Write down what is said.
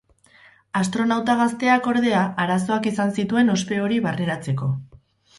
Astronauta gazteak ordea, arazoak izan zituen ospe hori barneratzeko.